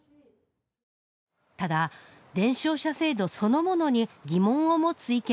ただ伝承者制度そのものに疑問を持つ意見もあります。